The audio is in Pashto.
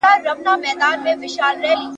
ښوونځي د کوچنیانو د شخصیت جوړونې مرکز دی.